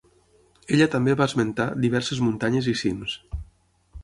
Ella també va esmentar diverses muntanyes i cims.